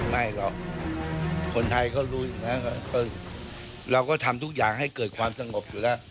ไม่หรอกคนไทยก็รู้อยู่แล้วเราก็ทำทุกอย่างให้เกิดความสงบอยู่แล้ว